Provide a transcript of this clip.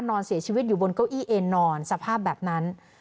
นอนเสียชีวิตอยู่บนเก้าอี้เอ็นนอนสภาพแบบนั้น